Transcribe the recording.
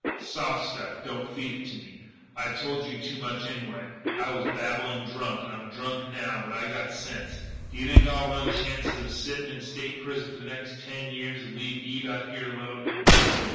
"Soft stuff. Don't feed it to me. I told you too much anyway. I was babblin' drunk. I'm drunk now, but I got sense. D'you think I'll run chances of sittin' in State's Prison for the next ten years and leave Eve out here alone? No.